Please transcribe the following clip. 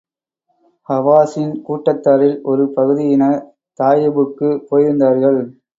ஹவாஸின் கூட்டத்தாரில் ஒரு பகுதியினர், தாயிபுக்குப் போயிருந்தார்கள்.